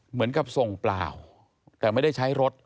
เหมือนกับส่งเปล่าแต่ไม่ได้ใช้รถ